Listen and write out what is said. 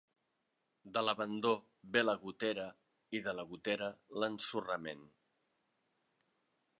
De l'abandó ve la gotera, i de la gotera, l'ensorrament.